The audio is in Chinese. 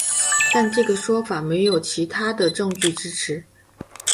但这个说法没有其他的证据支持。